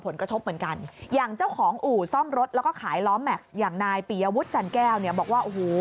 แล้วก็ขายล้อมแม็กซ์อย่างนายปียวุฒิจันแก้วบอกว่าโอ้โฮ